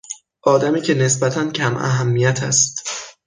آدمی که نسبتا کم اهمیت است